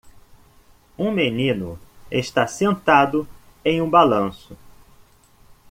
Um menino está sentado em um balanço.